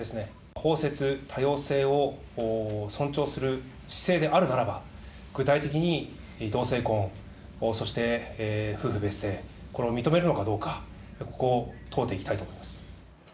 包摂、多様性を尊重する姿勢であるならば、具体的に同性婚、そして夫婦別姓、これを認めるのかどうか、ここを問うていきたいと思います。